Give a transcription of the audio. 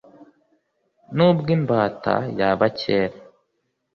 Ni ubw'imbata y'aba kera